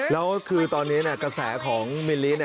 แล้วคือตอนนี้กระแสของมิลลิ